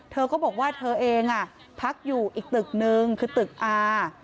เธอก็บอกว่าเธอเองพักอยู่อีกตึกนึงคือตึกอา